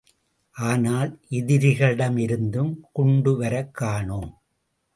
ஆனால், எதிரிகளிடமிருந்தும் குண்டுவரக் காணோம்.